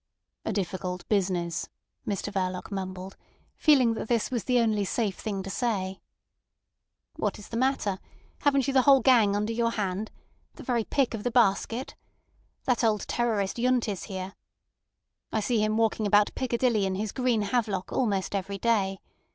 "A difficult business," Mr Verloc mumbled, feeling that this was the only safe thing to say. "What is the matter? Haven't you the whole gang under your hand? The very pick of the basket? That old terrorist Yundt is here. I see him walking about Piccadilly in his green havelock almost every day.